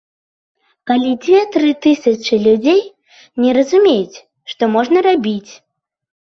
Калі дзве-тры тысячы людзей не разумеюць, што можна рабіць.